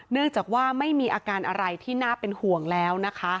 เนื่องจากว่าไม่มีอาการอะไรที่น่าเป็นห่วงแล้วนะคะ